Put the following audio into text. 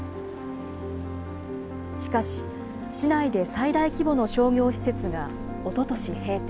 しかし、市内で最大規模の商業施設がおととし閉店。